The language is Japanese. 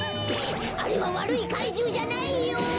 あれはわるいかいじゅうじゃないよ。